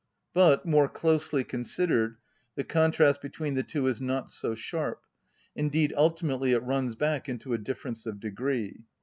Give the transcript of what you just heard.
But, more closely considered, the contrast between the two is not so sharp, indeed ultimately it runs back into a difference of degree.